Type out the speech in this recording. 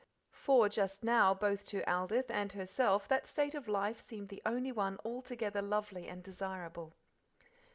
For just now both to Aldith, and herself that state of life seemed the only one altogether lovely and desirable.